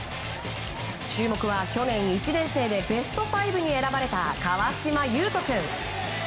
注目は去年１年生でベスト５に選ばれた川島悠翔君。